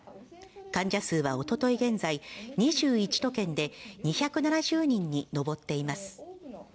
患者数はおととい現在、２１都県で２７０人に上っています。